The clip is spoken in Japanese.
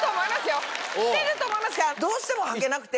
よしてると思いますけどどうしても履けなくて。